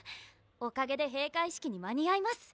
おかげで閉会式に間に合います！